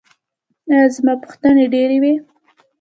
ایا زما پوښتنې ډیرې وې؟